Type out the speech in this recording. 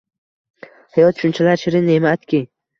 Hayot shunchalar shirin ne`matki